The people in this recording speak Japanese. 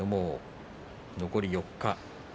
残り４日。